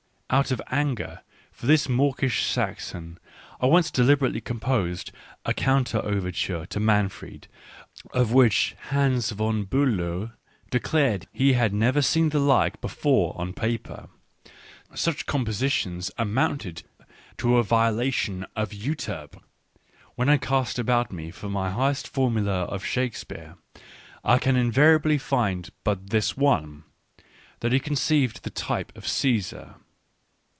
Out of anger for this mawkish Saxon, I once deliber ately composed a counter overture to Manfred, of which Hans von Biilow declared he had never seen the like before on paper : such compositions amounted to a violation of Euterpe. When I cast about me for my highest formula of Shakespeare, I find invariably but this one : that he conceived the type of Caesar.